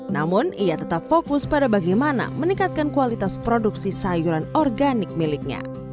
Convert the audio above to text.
namun ia tetap fokus pada bagaimana meningkatkan kualitas produksi sayuran organik miliknya